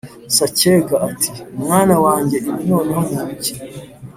Sacyega ati «mwana wanjye ibi noneho ni ibiki?»